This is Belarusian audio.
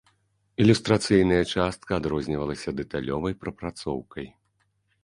Ілюстрацыйная частка адрознівалася дэталёвай прапрацоўкай.